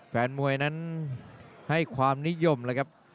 แฟนมวยนั้นให้ความนิยมเลยครับ